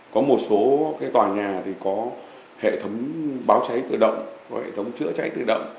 có một số tòa nhà thì có hệ thống báo cháy tự động và hệ thống chữa cháy tự động